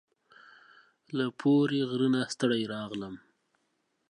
له پوري غره نه ستړي راغلم